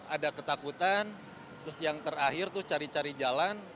ada ketakutan terus yang terakhir tuh cari cari jalan